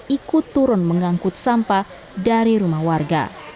ikut turun mengangkut sampah dari rumah warga